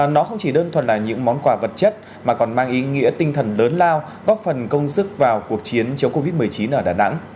nó không chỉ đơn thuần là những món quà vật chất mà còn mang ý nghĩa tinh thần lớn lao góp phần công sức vào cuộc chiến chống covid một mươi chín ở đà nẵng